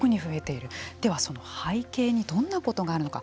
では、背景にどのようなことがあるのか。